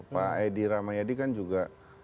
pak edi ramayadi kan juga